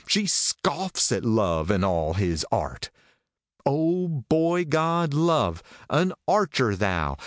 She scoffs at Love and all his art ! Oh, boy god, Love ! An archer thou